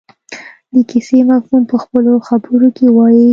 د کیسې مفهوم په خپلو خبرو کې ووايي.